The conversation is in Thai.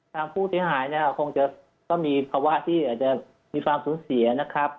ทางผู้เสียหายเนี่ยคงจะต้องมีภาวะที่อาจจะมีความสูญเสียนะครับ